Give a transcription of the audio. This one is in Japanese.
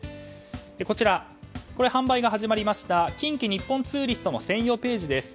こちら、販売が始まりました近畿日本ツーリストの専用ページです。